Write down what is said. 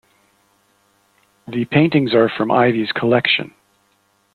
The paintings are from Iveagh's collection.